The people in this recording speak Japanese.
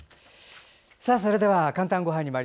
それでは「かんたんごはん」です。